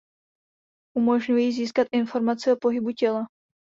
Umožňují získat informaci o pohybu těla.